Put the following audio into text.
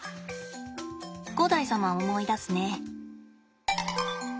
五代様を思い出すね。